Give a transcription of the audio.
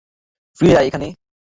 ফিরে আয় এখানে।